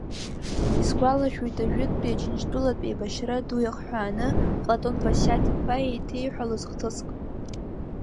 Исгәалашәоит, ажәытәтәи Аџьынџьтәылатә еибашьра ду иахҳәааны Платон Басиаҭ-иԥа еиҭеиҳәалоз хҭыск.